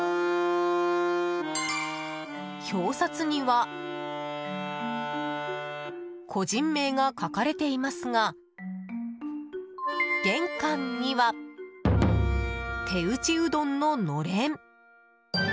表札には個人名が書かれていますが玄関には手打ちうどんののれん。